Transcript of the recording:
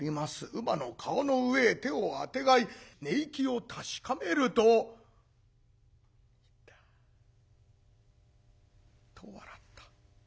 乳母の顔の上へ手をあてがい寝息を確かめるとニタッと笑った。